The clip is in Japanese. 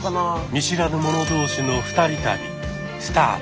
見知らぬ者同士の二人旅スタート。